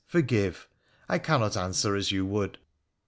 forgive ! I cannot answer as you would.'